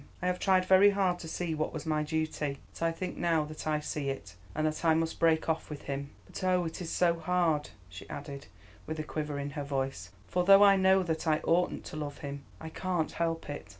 I have tried very hard to see what was my duty, but I think now that I see it, and that I must break off with him. But oh! it is so hard," she added, with a quiver in her voice, "for though I know that I oughtn't to love him, I can't help it."